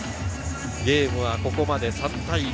ゲームはここまで３対２。